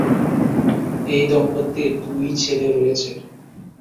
এই দম্পতির দুই ছেলে রয়েছে।